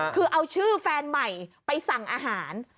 คือเอาชื่อแฟนใหม่ไปสั่งอาหาร